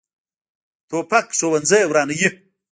توپک ښوونځي ورانوي.